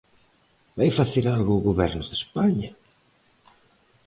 ¿Vai facer algo o Goberno de España?